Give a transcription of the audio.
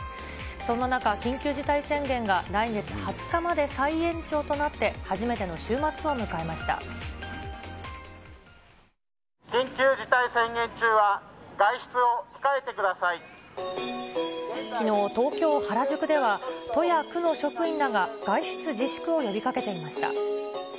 そんな中、緊急事態宣言が来月２０日まで再延長となって、初めての週末を迎緊急事態宣言中は、外出を控きのう、東京・原宿では都や区の職員らが外出自粛を呼びかけていました。